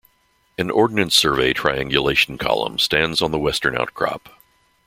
An Ordnance Survey triangulation column stands on the western outcrop.